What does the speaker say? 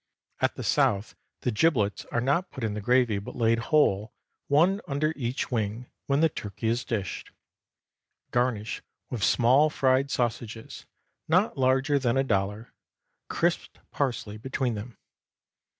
At the South the giblets are not put in the gravy, but laid whole, one under each wing, when the turkey is dished. Garnish with small fried sausages, not larger than a dollar, crisped parsley between them.